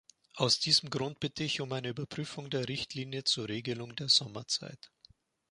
Aus diesem Grund bitte ich um eine Überprüfung der Richtlinie zur Regelung der Sommerzeit.